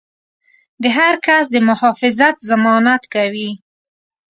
د هر کس د محافظت ضمانت کوي.